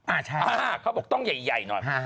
อ่าใช่อ่าเขาบอกต้องใหญ่หน่อย